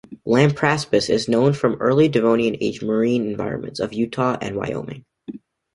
"Lampraspis" is known from Early Devonian-aged marine environments of Utah and Wyoming.